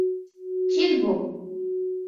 Тиҙ бул!